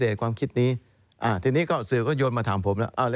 ที่นี้ก็สื่อก็โยนมาถามผม